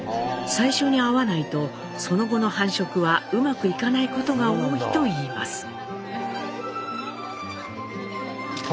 最初に合わないとその後の繁殖はうまくいかないことが多いといいます。